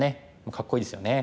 かっこいいですよね。